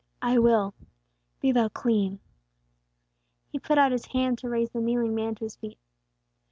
"I will. Be thou clean!" He put out His hand to raise the kneeling man to his feet.